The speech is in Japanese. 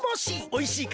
おいしい！